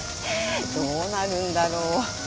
どうなるんだろう。